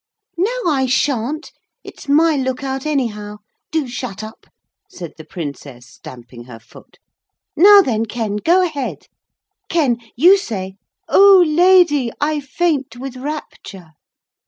'No, I sha'n't. It's my look out, anyhow. Do shut up,' said the Princess, stamping her foot. 'Now then, Ken, go ahead. Ken, you say, "Oh Lady, I faint with rapture!"'